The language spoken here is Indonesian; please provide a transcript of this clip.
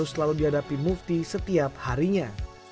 selalu dihadapi mufti setiap harinya